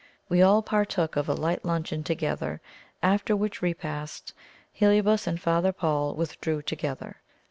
We all partook of a light luncheon to gether, after which repast Heliobas and Father Paul withdrew together.